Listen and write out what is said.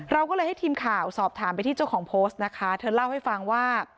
เราก็เลยให้ทีมข่าวสอบถามไปที่เจ้าของโพสต์นะคะเธอเล่าให้ฟังว่า